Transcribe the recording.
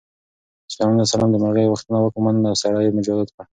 سلیمان علیه السلام د مرغۍ غوښتنه ومنله او سړی یې مجازات کړ.